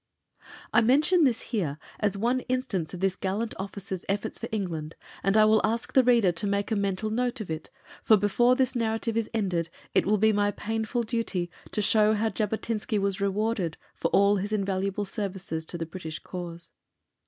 I mention this here as one instance of this gallant officer's efforts for England, and I will ask the reader to make a mental note of it, for before this narrative is ended it will be my painful duty to show how Jabotinsky was rewarded for all his invaluable services to the British cause.